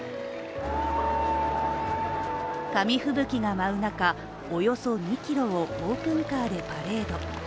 紙吹雪が舞う中、およそ２ｋｍをオープンカーでパレード。